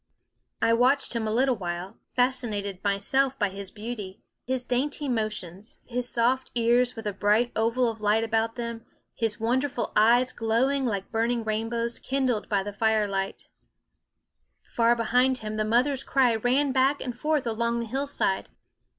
I watched him a little while, fascinated myself by his beauty, his dainty motions, his soft ears with a bright oval of light about them, his wonderful eyes glowing like burn ing rainbows, kindled by the firelight. Far Cry in the SCHOOL OF behind him the mother's cry ran back and forth along the hillside.